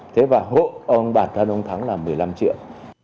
thế và hộ ông bản thân ông thắng là một trăm linh triệu